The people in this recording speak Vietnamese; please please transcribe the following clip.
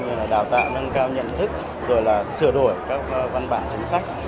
rồi là đào tạo nâng cao nhận thức rồi là sửa đổi các văn bản chính sách